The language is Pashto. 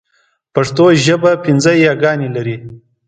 پښتو ژبه پنځه ی ګانې لري.